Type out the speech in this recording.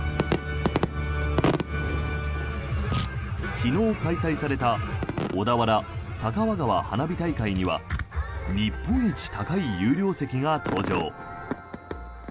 昨日、開催された小田原酒匂川花火大会には日本一高い有料席が登場。